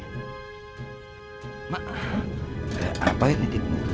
emang apain nanti penutupnya